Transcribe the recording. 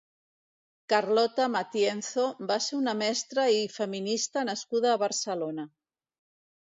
Carlota Matienzo va ser una mestra i feminista nascuda a Barcelona.